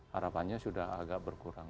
harapannya sudah agak berkurang